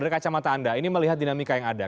dari kacamata anda ini melihat dinamika yang ada